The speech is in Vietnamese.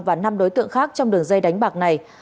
và năm đối tượng khác trong đường dây đánh bạc này